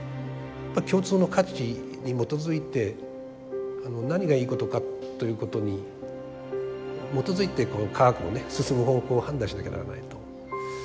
共通の価値に基づいて何がいいことかということに基づいて科学が進む方向を判断しなきゃならないと思う。